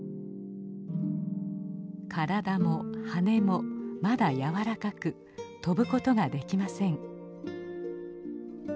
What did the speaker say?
体も羽もまだ柔らかく飛ぶことができません。